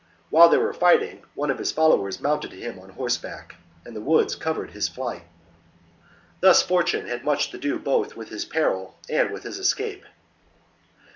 While they were fighting, one of his followers mounted him on horseback ; and the woods covered his flight. Thus Fortune had much to do both with his peril and with his escape.